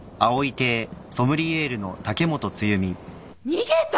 逃げた！？